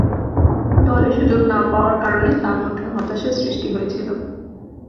দলে সুযোগ না পাওয়ার কারণে তার মধ্যে হতাশার সৃষ্টি হয়েছিল।